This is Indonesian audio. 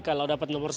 kalau dapat nomor satu